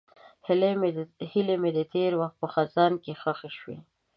هیلې مې د تېر وخت په خزان کې ښخې شوې.